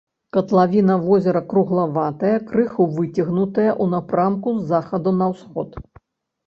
Катлавіна возера круглаватая, крыху выцягнутая ў напрамку з захаду на ўсход.